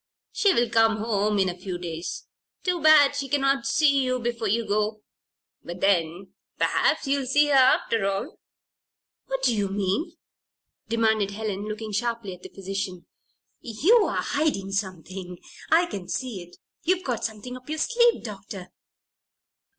She will come home in a few days. Too bad she cannot see you before you go. But then perhaps you'll see her, after all." "What do you mean?" demanded Helen, looking sharply at the physician. "You're hiding something. I can see it! You've got something up your sleeve, Doctor!"